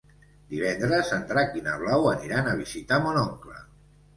Divendres en Drac i na Blau aniran a visitar mon oncle.